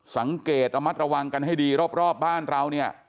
สังเกตระมัดระวังกันให้ดีรอบบ้านเราเนี่ย